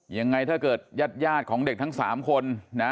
ยังไงถ้าเกิดญาติของเด็กทั้ง๓คนนะ